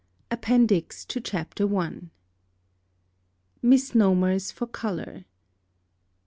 APPENDIX TO CHAPTER I. +Misnomers for Color.